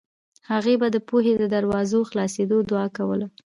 هغې به د پوهې د دروازو خلاصېدو دعا کوله